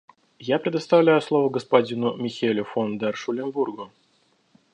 Я предоставляю слово господину Михелю фон дер Шуленбургу.